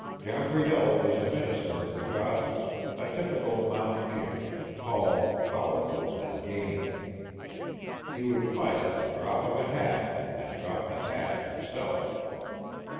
Gambriel was a minister of the gospel, a typical mountaineer, tall, powerful and game. He would fight at the drop of a hat and drop the hat himself.